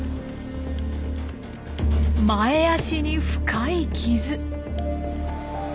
前足に深い傷。